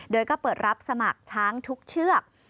โดยก็เปิดรับสมัครช้างทุกเชือก